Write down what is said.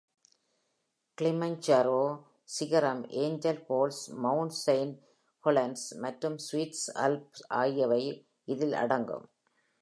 Kilimanjaro சிகரம், Angel Falls, Mount Saint Helens மற்றும் Swiss Alps ஆகியவை இதில் அடங்கும்.